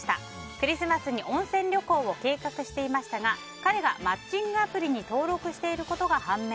クリスマスに温泉旅行を計画していましたが彼がマッチングアプリに登録していることが判明。